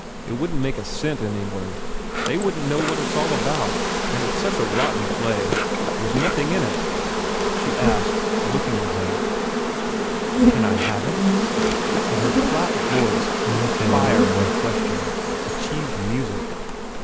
It wouldn t make a cent in England. They wouldn t know what it s all about. And it s such a rotten play ! There s nothing in it!" She asked, looking at him, u Can I have it?" and her flat voice took fire in the question, achieved music.